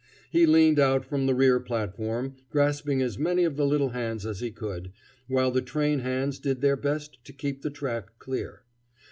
He leaned out from the rear platform, grasping as many of the little hands as he could, while the train hands did their best to keep the track clear.